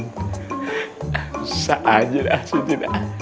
susah aja deh siti